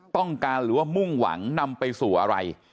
ต้องการหรือว่ามุ่งหวังนำไปสู่อะไร